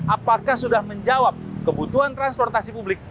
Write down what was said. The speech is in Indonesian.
apakah sudah menjawab kebutuhan transportasi publik